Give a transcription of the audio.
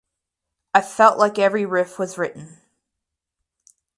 I felt like every riff was written.